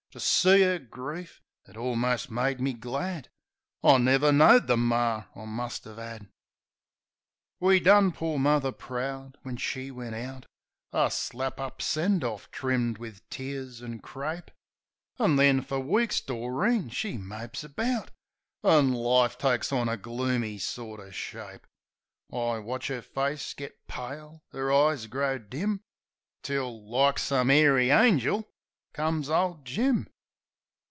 To see 'er grief, it almost made me glad I never knowed the mar I must 'ave 'ad. We done poor Muvver proud when she went out — A slap up send orf, trimmed wiv tears an' crape. An' then fer weeks Doreen she mopes about, An' life takes on a gloomy sorter shape. I watch 'er face git pale, 'er eyes grow dim; Till — ^like some 'airy angel — comes ole Jim.